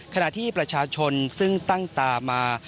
ขณะที่ประชาชนซึ่งตั้งตามา